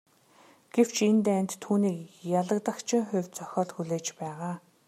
Гэвч энэ дайнд түүнийг ялагдагчийн хувь зохиол хүлээж байгаа.